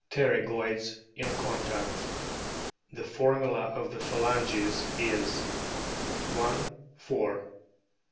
Pterygoids in contact. The formula of the phalanges is : I, 4.